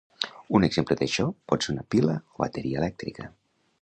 Un exemple d'això pot ser una pila o bateria elèctrica.